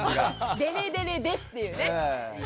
デレデレですっていうね。